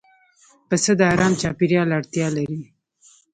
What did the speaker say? پسه د آرام چاپېریال اړتیا لري.